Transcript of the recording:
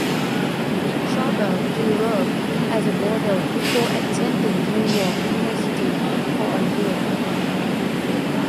He traveled Europe as a model before attending New York University for a year.